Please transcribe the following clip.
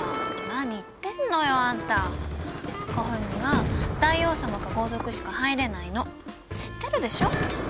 何言ってんのよあんた古墳には大王様か豪族しか入れないの知ってるでしょ？